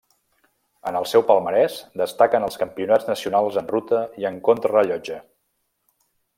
En el seu palmarès destaquen els Campionats nacionals en ruta i en contrarellotge.